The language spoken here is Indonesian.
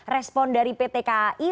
respon dari pt kai